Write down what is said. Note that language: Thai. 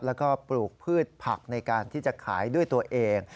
แล้วก็ปลูกพืชผักในการที่จะขายด้วยตัวเอง